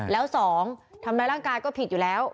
แล้วสองทำร้ายร่างกายก็ผิดอยู่แล้ว